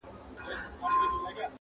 په هغه دم به مي تا ته وي راوړی؛